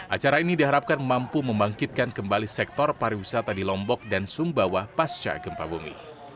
acara ini diharapkan mampu membangkitkan kembali sektor pariwisata di lombok dan sumbawa pasca gempa bumi